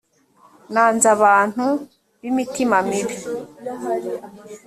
nanze abantu b imitima mibi